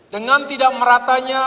dengan tidak meratanya